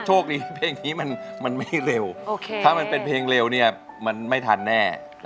โชคดีเพลงนี้มันไม่เร็วถ้ามันเป็นเพลงเร็วเนี่ยมันไม่ทันแน่